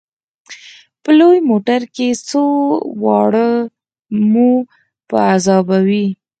په لوی موټر کې ځو او واړه مو په عذابوي.